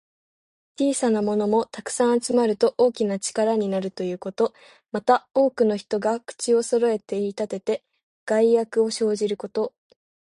小さなものも、たくさん集まると大きな力になるということ。また、多くの人が口をそろえて言いたてて、害悪を生じること。